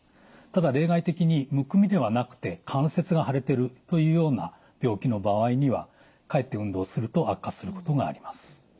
ただ例外的にむくみではなくて関節が腫れてるというような病気の場合にはかえって運動すると悪化することがあります。